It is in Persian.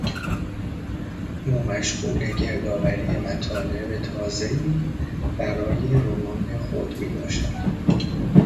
او مشغول گردآوری مطالب تازهای برای رمان خود میباشد.